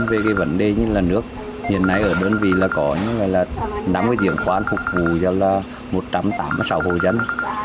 về cái vấn đề như là nước hiện nay ở đơn vị là có năm diễn khoan phục vụ cho là một trăm tám mươi sáu hộ dân